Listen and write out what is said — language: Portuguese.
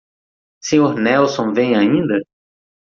Sr. Nelson vem ainda?